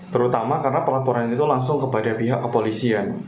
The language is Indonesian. terutama karena pelaporan itu langsung kepada pihak kepolisian